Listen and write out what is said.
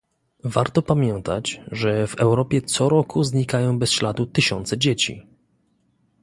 Warto pamiętać, że w Europie co roku znikają bez śladu tysiące dzieci